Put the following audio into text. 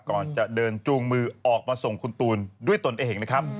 ก่อนจะเดินจูงมือออกมาส่งคุณตูนด้วยตนเองนะครับ